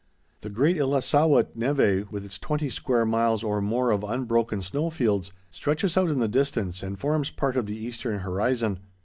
The great Illicellewaet névé, with its twenty square miles or more of unbroken snow fields, stretches out in the distance and forms part of the eastern horizon.